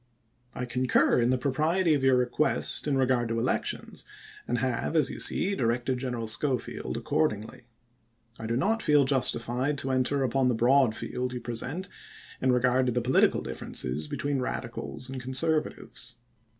I concui* in the propriety of your request in regard to elections, and have, as you see, directed General Scho field accordingly. I do not feel justified to enter upon the broad field you present in regard to the political dif ferences between Radicals and Conservatives.